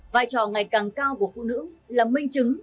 vai trò ngày càng cao của phụ nữ là minh chứng